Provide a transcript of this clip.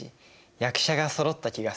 役者がそろった気がする。